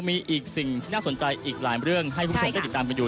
มีอีกสิ่งที่น่าสนใจอีกหลายเรื่องให้ทุกคนได้ติดตามกันอยู่